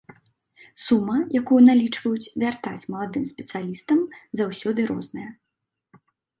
Сума, якую налічваюць вяртаць маладым спецыялістам, заўсёды розная.